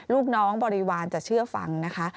ลูกน้องบริวารจะเชื่อฟังนะคะ